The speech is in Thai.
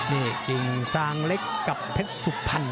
นี่กิงซางเล็กกับเพชรสุภัณฑ์